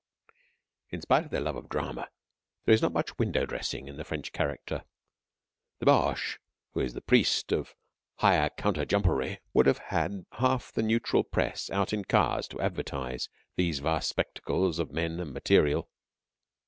In spite of their love of drama, there is not much "window dressing" in the French character. The Boche, who is the priest of the Higher Counter jumpery, would have had half the neutral Press out in cars to advertise these vast spectacles of men and material.